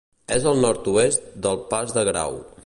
És al nord-oest del Pas de Grau.